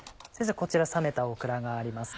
こちら冷めたオクラがあります。